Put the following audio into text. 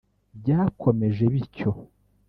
Byakomeje bityo